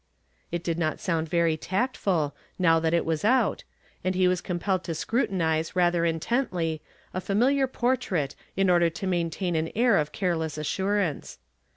It did not sound very tactful, now that it was out, and he was compelled to scrutinize rather intently a familiar portrait in order to maintain an air of careless assurance.